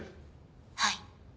はい。